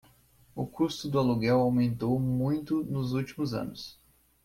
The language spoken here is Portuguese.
O custo do aluguel aumentou muito nos últimos anos.